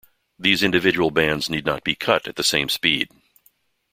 These individual bands need not be cut at the same speed.